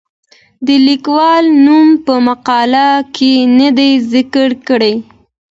د لیکوال نوم په مقاله کې نه ذکر کیږي.